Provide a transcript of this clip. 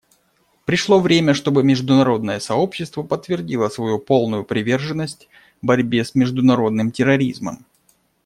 Пришло время, чтобы международное сообщество подтвердило свою полную приверженность борьбе с международным терроризмом.